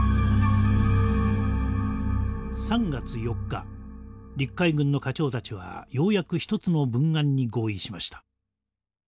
３月４日陸海軍の課長たちはようやく一つの文案に合意しました。